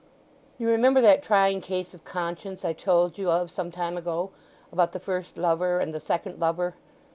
"You remember that trying case of conscience I told you of some time ago—about the first lover and the second lover?"